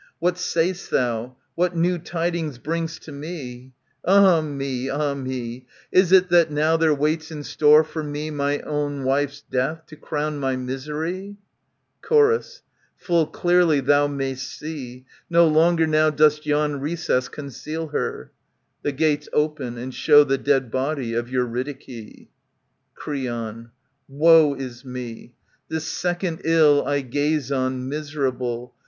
What say'st thou ? What new tidings bring'st to me ? Ah me ! ah me ! i2w Is it that now there waits in store for me My ovvn wife's death to crown my misery ? Chor, Full clearly thou may'st see. No longer now Does yon recess conceal her. \The gates open and show the dead body ^EURYDIKE.] Creon, Woe is me ! This second ill I gaze on, miserable.